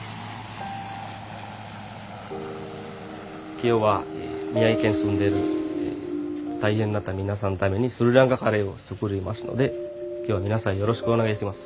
・今日は宮城県に住んでる大変になった皆さんのためにスリランカカレーを作りますので今日は皆さんよろしくお願いします。